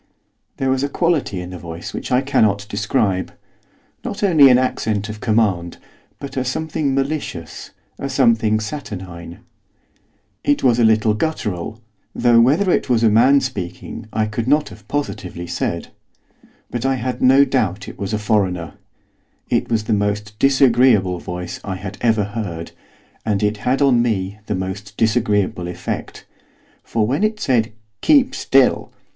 There was a quality in the voice which I cannot describe. Not only an accent of command, but a something malicious, a something saturnine. It was a little guttural, though whether it was a man speaking I could not have positively said; but I had no doubt it was a foreigner. It was the most disagreeable voice I had ever heard, and it had on me the most disagreeable effect; for when it said, 'Keep still!